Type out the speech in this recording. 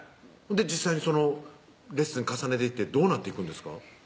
実際にそのレッスン重ねていってどうなっていくんですか？